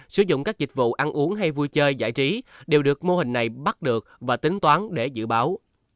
sử dụng các dịch vụ ăn uống hay vui chơi giải trí đều được mô hình này bắt được và tính toán để dự báo